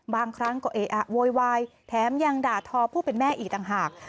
บางครั้งก็เออะโวยวายแถมยังด่าทอผู้เป็นแม่อีกต่างหาก